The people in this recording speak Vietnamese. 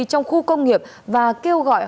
trong khu công nghiệp và kêu gọi